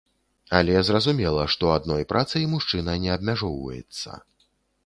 Але зразумела, што адной працай мужчына не абмяжоўваецца.